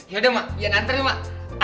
yaudah emak iya nanti deh emak